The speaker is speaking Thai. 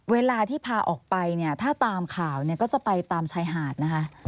เวลาที่พาออกไปเนี่ยถ้าตามข่าวเนี่ยก็จะไปตามชายหาดนะคะ